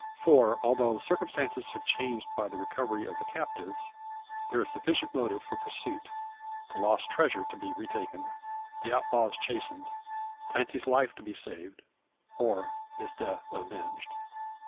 For, although circumstances have changed by the recovery of the captives, there is sufficient motive for pursuit the lost treasure to be re taken the outlaws chastised Clancy's life to be saved, or his death avenged.